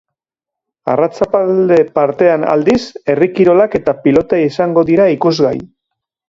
Arratsalde partean aldiz, herri kirolak eta pilota izango dira ikusgai.